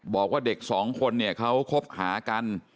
บอกว่าเด็กสองคนเนี่ยเขาคบหากัน